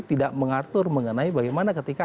tidak mengatur mengenai bagaimana ketika